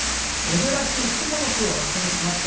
珍しいクモの巣を発見しました。